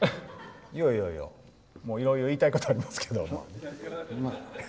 いやいや、いろいろ言いたいことありますけど。